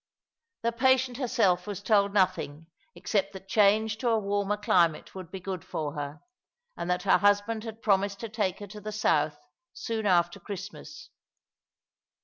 The patient herself was told nothing except that change to a warmer climate would be good for her, and that her husband had promised to take her to the South soon after Christmas.